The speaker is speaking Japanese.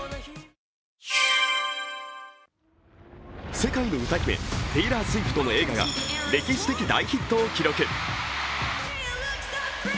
世界の歌姫、テイラー・スウィフトの映画が歴史的大ヒットを記録。